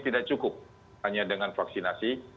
tidak cukup hanya dengan vaksinasi